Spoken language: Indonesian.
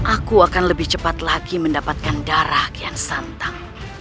aku akan lebih cepat lagi mendapatkan darah kian santang